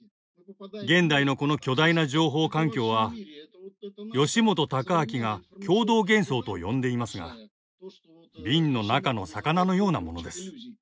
現代のこの巨大な情報環境は吉本隆明が共同幻想と呼んでいますが瓶の中の魚のようなものです。